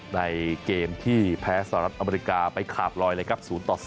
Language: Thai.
ในเกมที่แพ้สหรัฐอเมริกาไปขาบลอยเลยครับ๐ต่อ๐